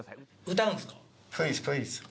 歌うんすか？